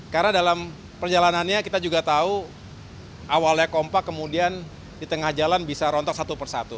karena dalam perjalanannya kita juga tahu awalnya kompak kemudian di tengah jalan bisa rontok satu persatu